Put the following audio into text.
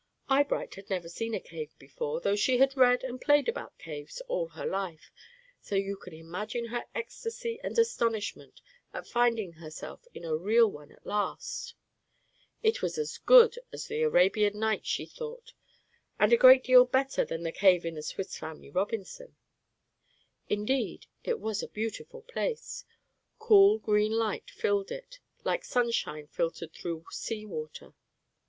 Eyebright had never seen a cave before, though she had read and played about caves all her life, so you can imagine her ecstasy and astonishment at finding herself in a real one at last. It was as good as the "Arabian Nights," she thought, and a great deal better than the cave in the "Swiss Family Robinson." Indeed, it was a beautiful place. Cool green light filled it, like sunshine filtered through sea water.